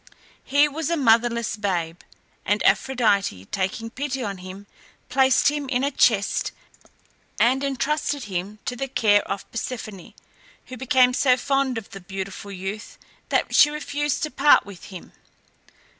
He was a motherless babe, and Aphrodite, taking pity on him, placed him in a chest and intrusted him to the care of Persephone, who became so fond of the beautiful youth that she refused to part with him.